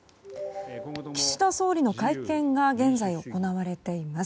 岸田総理の会見が現在、行われています。